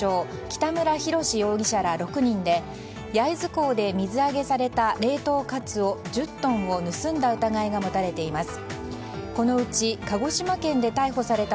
北村祐志容疑者ら６人で焼津港で水揚げされた冷凍カツオ１０トンを盗んだ疑いが持たれています。